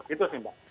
itu sih mbak